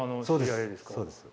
そうです。